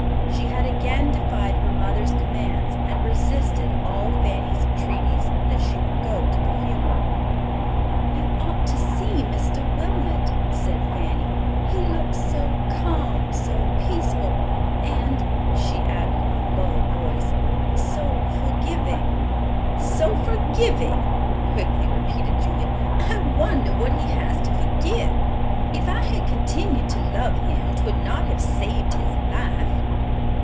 She had again defied her mother's commands, and resisted all Fanny's entreaties, that she would go to the funeral. "You ought to see Mr. Wilmot," said Fanny. "He looks so calm, so peaceful and," she added in a low voice, "so forgiving." "So forgiving!" quickly repeated Julia. "I wonder what he has to forgive. If I had continued to love him, 'twould not have saved his life."